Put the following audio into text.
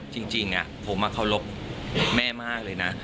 จริงผมเคารพแม่มากเลยนะ